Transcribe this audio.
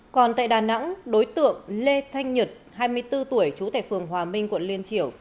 còn tại đà nẵng đối tượng lê thanh nhật hai mươi bốn tuổi trú tại phường hòa minh quận liên triều